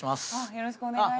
よろしくお願いします。